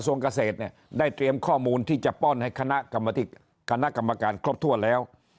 เกษตรเนี่ยได้เตรียมข้อมูลที่จะป้อนให้คณะกรรมการครบถ้วนแล้ว